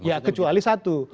ya kecuali satu